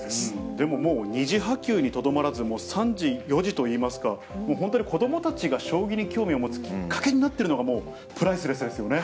でももう、二次波及にとどまらず、もう三次、四次といいますか、本当に子どもたちが将棋に興味を持つきっかけになってるのがプライスレスですよね。